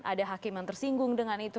ada hakim yang tersinggung dengan itu